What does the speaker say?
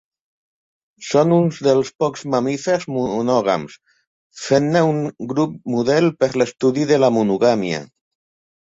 Són uns dels pocs mamífers monògams, fent-ne un grup model per l'estudi de la monogàmia.